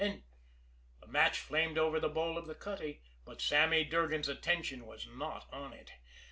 And " The match flamed over the bowl of the cutty, but Sammy Durgan's attention was not on it.